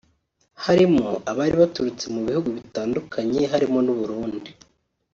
harimo abari baturutse mu bihugu bitandukanye harimo n’u Burundi